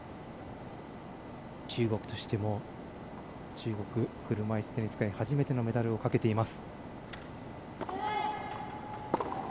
中国としても中国車いすテニス界初めてのメダルをかけています。